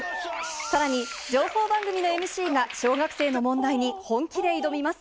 さらに、情報番組のＭＣが小学生の問題に本気で挑みます。